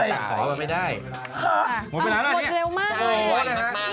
หมดเร็วมากเลย